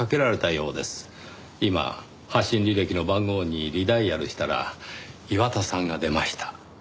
今発信履歴の番号にリダイヤルしたら岩田さんが出ました。